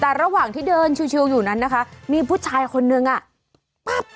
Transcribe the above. แต่ระหว่างที่เดินชิวอยู่นั้นนะคะมีผู้ชายคนนึงอ่ะปั๊บ